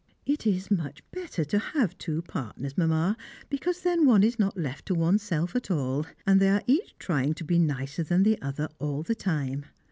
It is much better to have two partners, Mamma, because then one is not left to oneself at all, and they are each trying to be nicer than the other all the time.